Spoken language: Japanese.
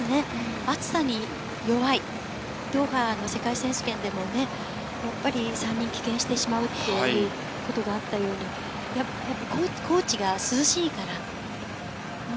暑さに弱い、ドーハの世界選手権でも、３人棄権してしまうということがあったように、高地が涼しいから。